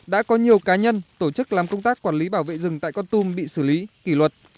đã có nhiều cá nhân tổ chức làm công tác quản lý bảo vệ rừng tại con tum bị xử lý kỷ luật